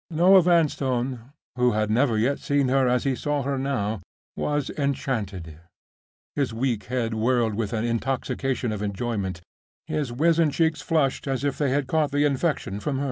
Noel Vanstone, who had never yet seen her as he saw her now, was enchanted; his weak head whirled with an intoxication of enjoyment; his wizen cheeks flushed as if they had caught the infection from hers.